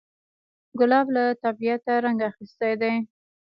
ګلاب له طبیعته رنګ اخیستی دی.